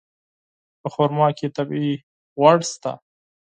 په خرما کې طبیعي غوړ شته.